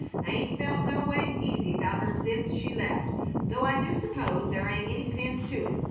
"I 'ain't felt noways easy 'bout her sence she left, though I do suppose there ain't any sense to it.